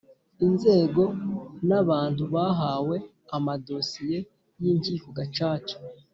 Inzego n abantu bahawe amadosiye y Inkiko Gacaca